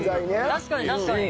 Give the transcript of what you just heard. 確かに確かに。